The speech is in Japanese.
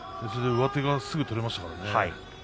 上手がすぐ取れましたからね。